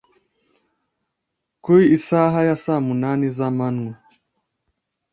Ku isaha ya saa munani z’amanywa